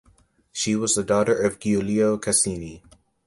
She was the daughter of Giulio Caccini.